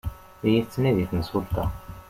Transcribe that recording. La yi-tettnadi temsulta.